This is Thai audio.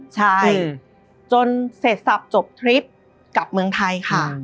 ใช่จนเสร็จสับจบทริปกลับเมืองไทยค่ะ